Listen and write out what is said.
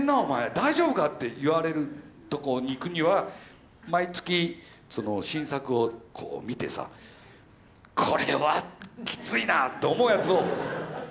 大丈夫か？」って言われるとこに行くには毎月新作をこう見てさこれはきついなと思うやつを登頂するようにしてるんだよね。